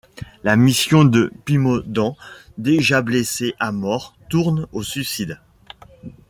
La mission de Pimodan, déjà blessé à mort, tourne au suicide.